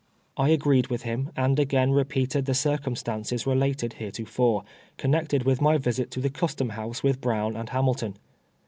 I agreed with him, and again repeated the circum stances related heretofore, connected with my visit to the custom house with Brown and Ilanulton.